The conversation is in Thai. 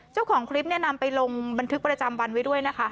เจ้าของคลิปเนี่ยนำไปลงบันทึกประจำวันไว้ด้วยนะคะ